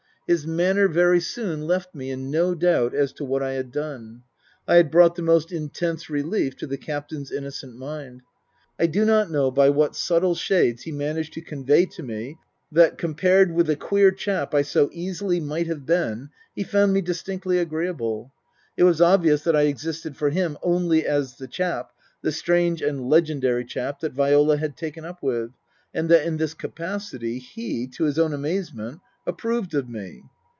His manner very soon left me in no doubt as to what I had done. I had brought the most intense relief to the Captain's innocent mind. I do not know by what subtle shades he managed to convey to me that, compared with the queer chap I so easily might have been, he found me distinctly agreeable. It was obvious that I existed for him only as the chap, the strange and legendary chap, that Viola had taken up with, and that in this capacity he, to his own amazement, approved of me.